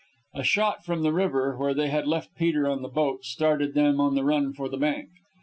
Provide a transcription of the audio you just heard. A shot from the river, where they had left Peter in the boat, started them on the run for the bank.